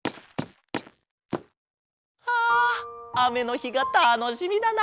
ああめのひがたのしみだな！